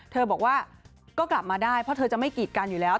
บอกว่าก็กลับมาได้เพราะเธอจะไม่กีดกันอยู่แล้ว